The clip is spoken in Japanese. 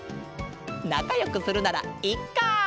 なかよくするならいっか！